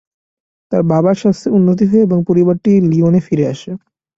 তার বাবার স্বাস্থ্যের উন্নতি হয় এবং পরিবারটি লিওনে ফিরে আসে।